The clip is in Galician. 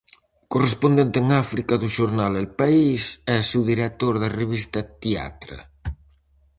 Correspondente en África do xornal "El País" e subdirector da revista "Teatra".